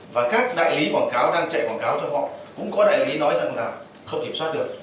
và các đại lý quảng cáo đang chạy quảng cáo cho họ cũng có đại lý nói rằng là không kiểm soát được